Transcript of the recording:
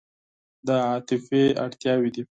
دا عاطفي اړتیاوې دي.